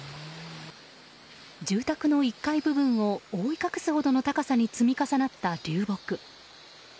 住宅の１階部分を覆い隠すほどの高さに積み重なった流木。